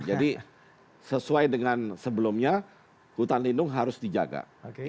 jadi sesuai dengan sebelumnya hutan lindung harus dijaga